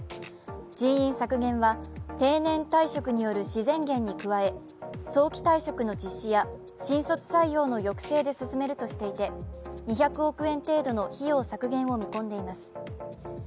人員削減は定年退職による自然減に加え、早期退職の実施や新卒採用の抑制で進めるとしていて２００億円程度の費用削減を見込んでいます。